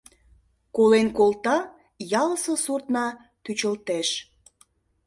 Колен колта — ялысе суртна тӱчылтеш.